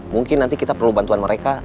mungkin nanti kita perlu bantuan mereka